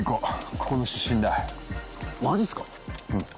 ここの出身だマジっすか